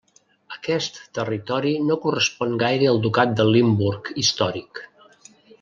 Aquest territori no correspon gaire al Ducat de Limburg històric.